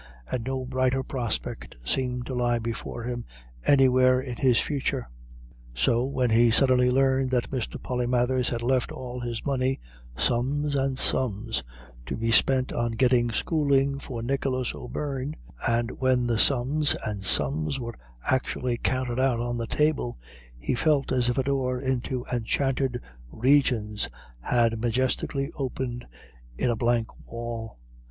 And no brighter prospect seemed to lie before him anywhere in his future. So when he suddenly learned that Mr. Polymathers had left all his money sums and sums to be spent on "getting schooling for Nicholas O'Beirne;" and when the sums and sums were actually counted out on the table, he felt as if a door into enchanted regions had majestically opened in a blank wall.